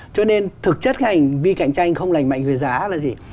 cho nên thực chất cái hành vi cạnh tranh không lành mạnh về giá là gì